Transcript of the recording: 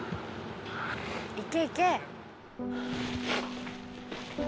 行け行け！